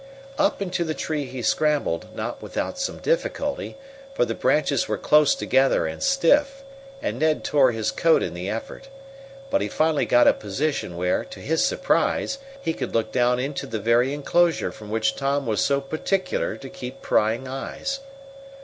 Up into the tree he scrambled, not without some difficulty, for the branches were close together and stiff, and Ned tore his coat in the effort. But he finally got a position where, to his surprise, he could look down into the very enclosure from which Tom was so particular to keep prying eyes.